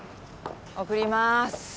送ります。